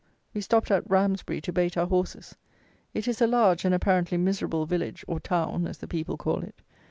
We stopped at Ramsbury, to bait our horses. It is a large, and, apparently, miserable village, or "town" as the people call it.